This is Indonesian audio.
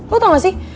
lo tau gak sih